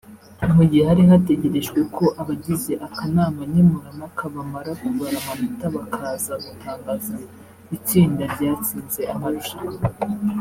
Mu gihe hari hategerejwe ko abagize akanama nkemurampaka bamara kubara amanota bakaza gutangaza itsinda ryatsinze amarushanwa